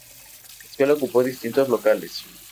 La escuela ocupó distintos locales.